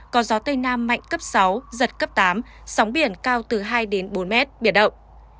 có gió tây nam mạnh cấp sáu giật cấp tám sóng biển cao từ hai đến bốn mét biển động